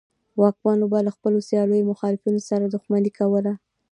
واکمنو به له خپلو سیاسي مخالفینو سره دښمني کوله.